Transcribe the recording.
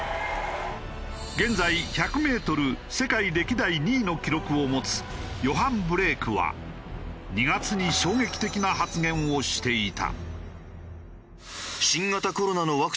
現在１００メートル世界歴代２位の記録を持つヨハン・ブレークは２月に衝撃的な発言をしていた。